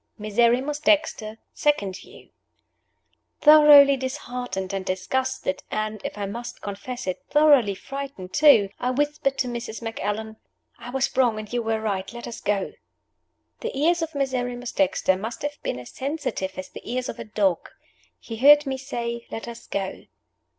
MISERRIMUS DEXTER SECOND VIEW THOROUGHLY disheartened and disgusted, and (if I must honestly confess it) thoroughly frightened too, I whispered to Mrs. Macallan, "I was wrong, and you were right. Let us go." The ears of Miserrimus Dexter must have been as sensitive as the ears of a dog. He heard me say, "Let us go."